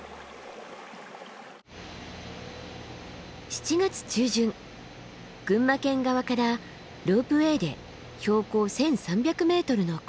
７月中旬群馬県側からロープウエーで標高１，３００ｍの高原へ。